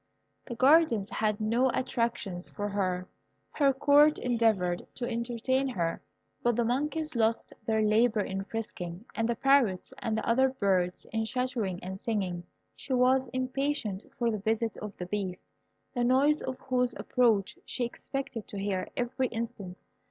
The gardens had no attractions for her. Her Court endeavoured to entertain her, but the monkeys lost their labour in frisking, and the parrots and other birds in chattering and singing. She was impatient for the visit of the Beast, the noise of whose approach she expected to hear every instant.